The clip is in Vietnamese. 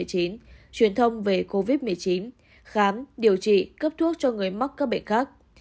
truyền thông về covid một mươi chín khám điều trị cấp thuốc cho người mắc các bệnh khác